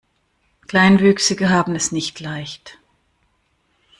Kleinwüchsige haben es nicht leicht.